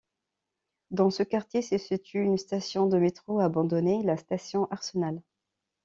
Dans ce quartier se situe une station de métro abandonnée, la station Arsenal.